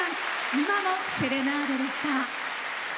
「今もセレナーデ」でした。